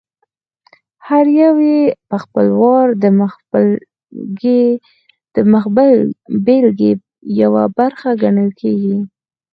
هر یو یې په خپل وار د مخبېلګې یوه برخه ګڼل کېږي.